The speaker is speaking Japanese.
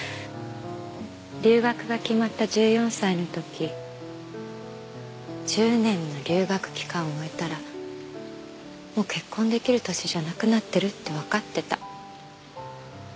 留学が決まった１４歳の時１０年の留学期間を終えたらもう結婚できる年じゃなくなってるってわかってた。